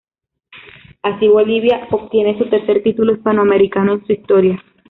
Así, Bolivia obtiene su tercer título hispanoamericano en su historia.